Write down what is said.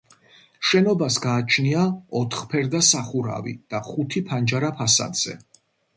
შენობას გააჩნია ოთხფერდა სახურავი და ხუთი ფანჯარა ფასადზე.